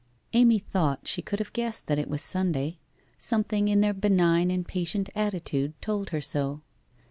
Amy thought she could have guessed that it was Sunday. Something in their benign and patient attitude told her so.